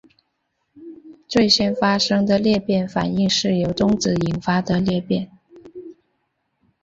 最先发现的裂变反应是由中子引发的裂变。